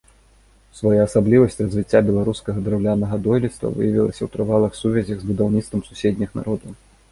Своеасаблівасць развіцця беларускага драўлянага дойлідства выявілася ў трывалых сувязях з будаўніцтвам суседніх народаў.